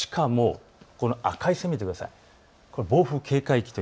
赤い線を見てください。